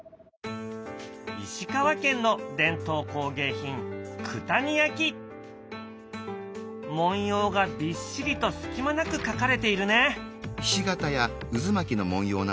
石川県の伝統工芸品文様がびっしりと隙間なく描かれているね。